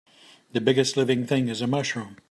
The biggest living thing is a mushroom.